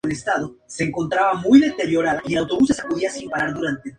Aun así, hay excepciones.